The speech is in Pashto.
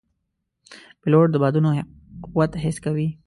پیلوټ د بادونو قوت حس کوي.